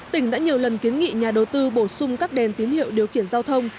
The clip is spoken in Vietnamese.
tỉnh đã nhiều lần kiến nghị nhà đầu tư bổ sung các đèn tín hiệu điều khiển giao thông